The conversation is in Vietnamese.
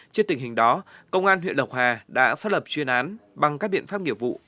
trên tình hình đó công an huyện lộc hà đã xác lập chuyên án bằng các biện pháp nghiệp vụ